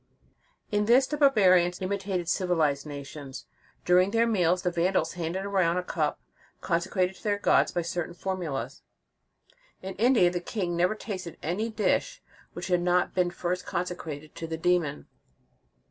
* In this, the bar barians imitated civilized nations. During their meals, the Vandals handed around a cup consecrated to their gods by certain formulas.*}* In India the king never tasted any dish which had not first been consecrated to the demon.